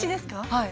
はい。